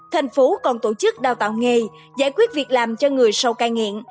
thành phố còn tổ chức đào tạo nghề giải quyết việc làm cho người sâu cây nghiện